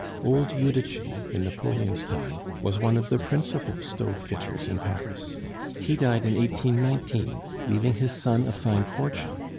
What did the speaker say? Old Judici, in Napoleon's time, was one of the principal stove fitters in Paris; he died in 1819, leaving his son a fine fortune.